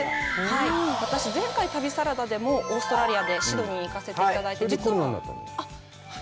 私、前回旅サラダでもオーストラリアでシドニーに行かせていただいて。